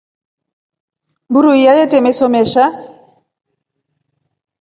Mburu iya yete meso mesha.